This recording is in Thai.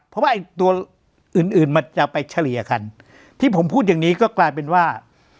เพราะว่าไอ้ตัวอื่นอื่นมันจะไปเฉลี่ยกันที่ผมพูดอย่างนี้ก็กลายเป็นว่า